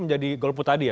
menjadi golpu tadi ya